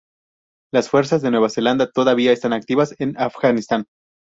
Las fuerzas de Nueva Zelanda todavía están activas en Afganistán.